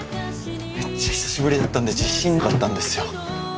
めっちゃ久しぶりだったんで自信なかったんですよ